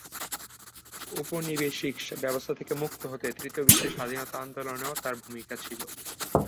ঔপনিবেশিক ব্যবস্থা থেকে মুক্ত হতে তৃতীয় বিশ্বের স্বাধীনতা আন্দোলনেও তার ভূমিকা ছিল।